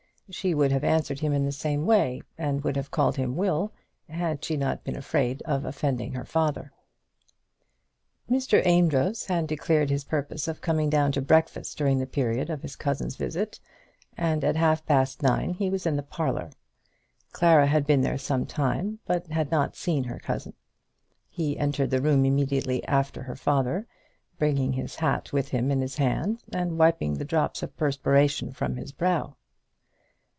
She would have answered him in the same way, and would have called him Will, had she not been afraid of offending her father. Mr. Amedroz had declared his purpose of coming down to breakfast during the period of his cousin's visit, and at half past nine he was in the parlour. Clara had been there some time, but had not seen her cousin. He entered the room immediately after her father, bringing his hat with him in his hand, and wiping the drops of perspiration from his brow.